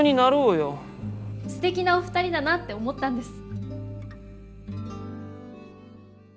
すてきなお二人だなって思ったんです。